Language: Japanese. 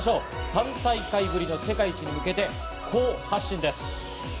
３大会ぶりの世界一へ向けて好発進です。